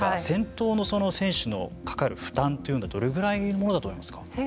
先頭の選手のかかる負担というのはどれぐらいのものだと思いますか。